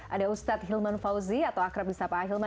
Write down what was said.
ada ustadz hilman fauzi atau akrab nisabah hilman